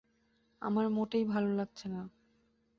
আমার মোটেই ভালো লাগছে না।